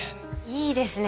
いいですね